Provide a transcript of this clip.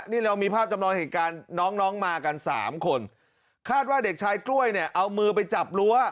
นี่เรามีภาพจำลองเหตุการณ์น้องน้องมากันสามคนคาดว่าเด็กชายกล้วยเนี่ยเอามือไปจับรั้ว